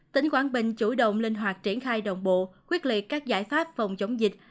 tỉnh quảng bình chủ động linh hoạt triển khai đồng bộ quyết liệt các giải pháp phòng chống dịch